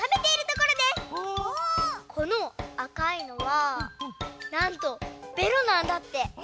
このあかいのはなんとべろなんだって。